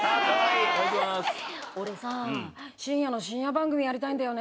俺さ深夜の深夜番組やりたいんだよね。